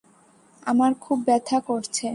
আমার খুব ব্যথা করছে।